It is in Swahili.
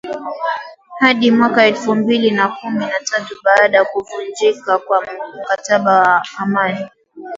hadi mwaka elfu mbili na kumi na tatu baada ya kuvunjika kwa mkataba wa amani